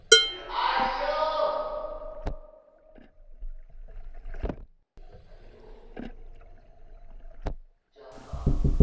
「あいよじゃあな。